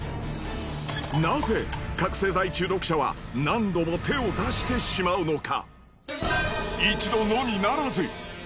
なぜ覚せい剤中毒者は何度も手を出してしまうのか？